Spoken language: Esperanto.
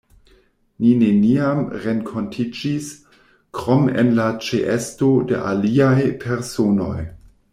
Ni neniam renkontiĝis, krom en la ĉeesto de aliaj personoj.